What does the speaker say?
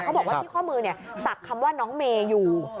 เขาบอกว่าที่ข้อมือเนี่ยสักคำว่าน้องเมย์อยู่